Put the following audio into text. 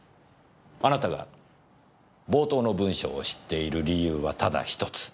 あなたが冒頭の文章を知っている理由はただ１つ。